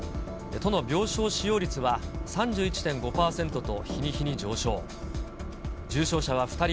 都の病床使用率は３１．５％と日に日に上昇。